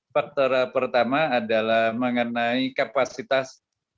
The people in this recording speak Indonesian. faktor pertama adalah mengenai kapasitas